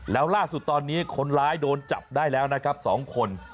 แล้วล่าสุดตอนนี้คนร้ายโดนจับได้แล้วนะครับ๒คน